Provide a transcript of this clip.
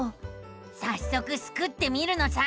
さっそくスクってみるのさ！